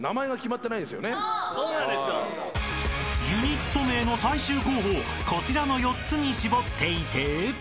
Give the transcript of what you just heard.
［ユニット名の最終候補をこちらの４つに絞っていて］